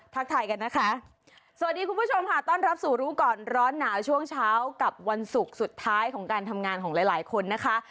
ทายกันนะคะสวัสดีคุณผู้ชมค่ะต้อนรับสู่รู้ก่อนร้อนหนาวช่วงเช้ากับวันศุกร์สุดท้ายของการทำงานของหลายหลายคนนะคะ